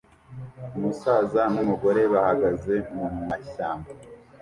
Umusaza numugore bahagaze mumashyamba